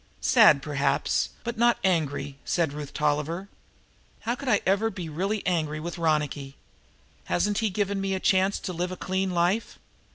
"Sad, perhaps, but not angry," said Ruth Tolliver. "How could I ever be really angry with Ronicky? Hasn't he given me a chance to live a clean life?